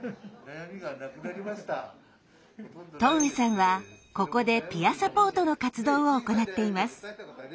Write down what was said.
戸上さんはここでピアサポートの活動を行っています。